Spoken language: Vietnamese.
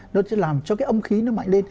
nó làm cho cái âm khí nó mạnh lên